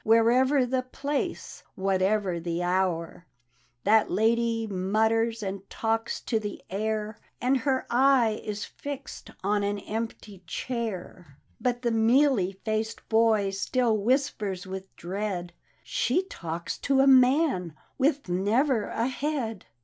Wherever the place, whatever the hour, That Lady mutters, and talks to the air. And her eye is fix'd on an empty chair; But the mealy faced boy still whispers with dread, " She talks to a man with never a head